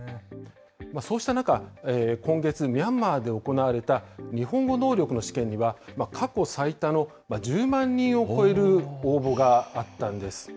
そうした中、今月、ミャンマーで行われた日本語能力の試験には、過去最多の１０万人を超える応募があったんです。